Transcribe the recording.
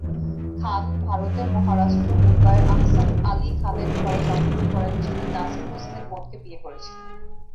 খান ভারতের মহারাষ্ট্র, মুম্বাইয়ে আহসান আলী খানের ঘরে জন্মগ্রহণ করেন, যিনি নাসির হোসেনের বোনকে বিয়ে করেছিলেন।